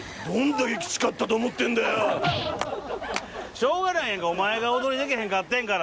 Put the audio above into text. しょうがないやんかお前が踊りできへんかってんから。